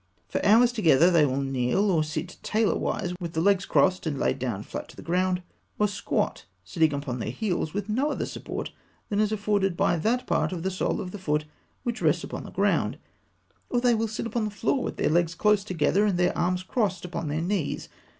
For hours together they will kneel; or sit tailor wise, with the legs crossed and laid down flat to the ground; or squat, sitting upon their heels, with no other support than is afforded by that part of the sole of the foot which rests upon the ground; or they will sit upon the floor with their legs close together, and their arms crossed upon their knees.